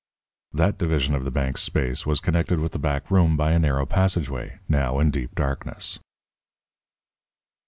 That division of the bank's space was connected with the back room by a narrow passageway, now in deep darkness.